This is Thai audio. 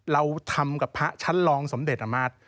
เราทำกับพระชั้นรองสมเด็จอำมาตร